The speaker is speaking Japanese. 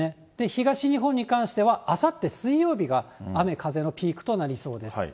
東日本に関しては、あさって水曜日が、雨、風のピークとなりそうです。